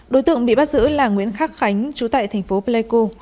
đối tượng bị bắt giữ là nguyễn khắc khánh trú tại tp pleco